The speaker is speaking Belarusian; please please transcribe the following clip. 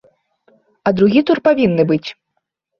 А другі тур павінны быць.